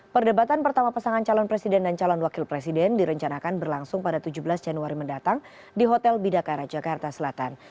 perdebatan pertama pasangan calon presiden dan calon wakil presiden direncanakan berlangsung pada tujuh belas januari mendatang di hotel bidakara jakarta selatan